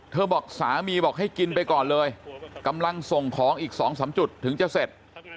บอกสามีบอกให้กินไปก่อนเลยกำลังส่งของอีก๒๓จุดถึงจะเสร็จ